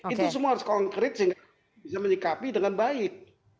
itu semua harus konkret sehingga bisa menyikapi dengan baik